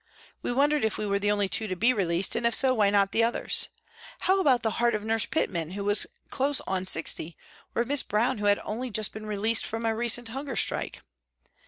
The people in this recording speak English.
We wondered if we were the only two to be released, and if so, why not the others ? How about the heart of Nurse Pitman, who was close on sixty, or of Miss Brown, who had only just been released from a recent hunger strike